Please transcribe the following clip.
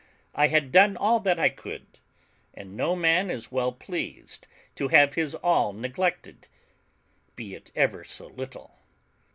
I had done all that I could; and no man is well pleased to have his all neglected, be it ever so little.